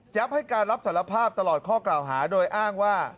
ให้การรับสารภาพตลอดข้อกล่าวหาโดยอ้างว่า